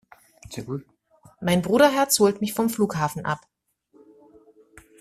Mein Bruderherz holt mich vom Flughafen ab.